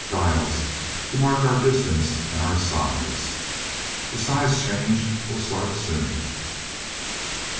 Dials to mark our distance and our size. The size change will start soon."